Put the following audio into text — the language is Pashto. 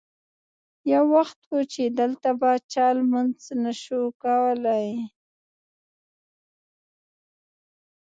یو وخت و چې دلته به چا لمونځ نه شو کولی.